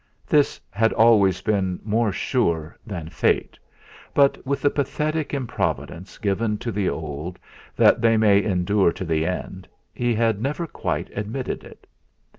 This had always been more sure than Fate; but, with the pathetic improvidence given to the old, that they may endure to the end, he had never quite admitted it.